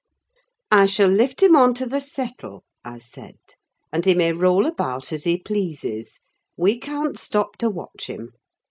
"I shall lift him on to the settle," I said, "and he may roll about as he pleases: we can't stop to watch him.